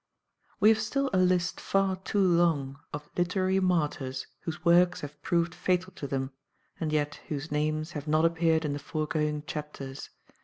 We have still a list far too long of literary martyrs whose works have proved fatal to them, and yet whose names have not appeared in the foregoing chapters.